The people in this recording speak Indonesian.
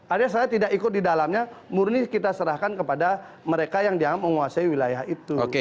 ada saya tidak ikut di dalamnya murni kita serahkan kepada mereka yang dianggap menguasai wilayah itu